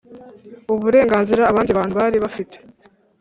Uburenganzira abandi bantu bari bafite